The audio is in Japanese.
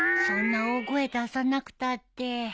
そんな大声出さなくたって。